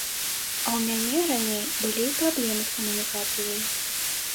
А ў мяне раней былі праблемы з камунікацыяй.